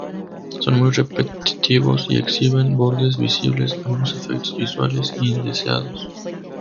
Son muy repetitivos y exhiben bordes visibles, ambos efectos visuales indeseados.